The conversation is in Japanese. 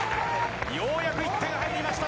ようやく１点入りました